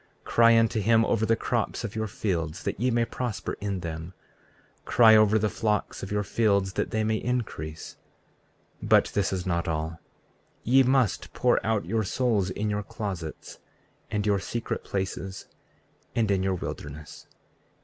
34:24 Cry unto him over the crops of your fields, that ye may prosper in them. 34:25 Cry over the flocks of your fields, that they may increase. 34:26 But this is not all; ye must pour out your souls in your closets, and your secret places, and in your wilderness.